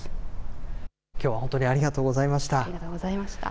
きょうは本当にありがとうごありがとうございました。